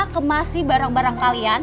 kemasi barang barang kalian